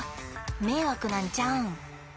迷惑なんちゃうん？